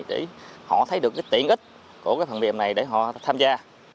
để họ thấy được tiện ích của phần mềm này để họ tham gia